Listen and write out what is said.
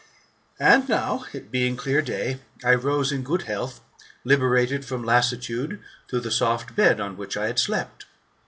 And now, it being clear day, I rose in good health, liberated from lassitude through the soft bed on which I had slept.